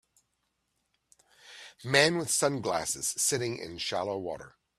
Man with sunglasses sitting in shallow water